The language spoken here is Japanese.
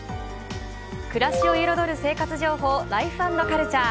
暮らしを彩る生活情報、「ライフ＆カルチャー」。